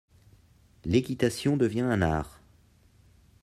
L'équitation devient un art.